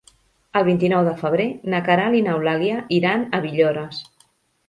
El vint-i-nou de febrer na Queralt i n'Eulàlia iran a Villores.